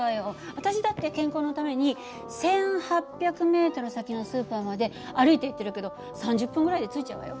私だって健康のために１，８００ｍ先のスーパーまで歩いて行ってるけど３０分ぐらいで着いちゃうわよ。